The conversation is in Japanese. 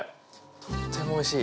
とってもおいしい。